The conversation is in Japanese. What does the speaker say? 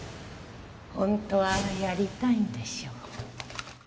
本当はやりたいんでしょ？